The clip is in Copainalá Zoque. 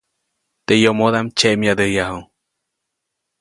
Teʼ yomodaʼm tsyeʼmyadäyaju.